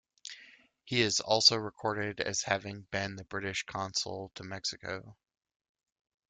He is also recorded as having been the British consul to Mexico.